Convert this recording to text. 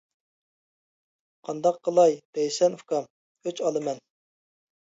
-قانداق قىلاي دەيسەن ئۇكام؟ -ئۆچ ئالىمەن!